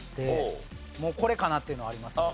これかなっていうのはありますね。